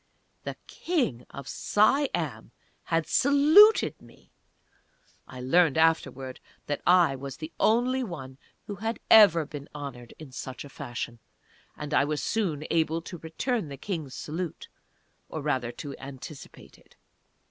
THE KING OF SIAM HAD SALUTED ME! (I learned afterwards that I was the only one who had ever been honoured in such fashion. And I was soon able to return the King's salute, or rather to anticipate it.)